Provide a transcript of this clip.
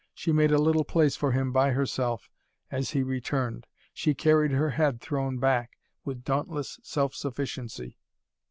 She made a little place for him by herself, as he returned. She carried her head thrown back, with dauntless self sufficiency.